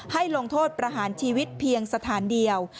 ลงโทษประหารชีวิตเพียงสถานเดียว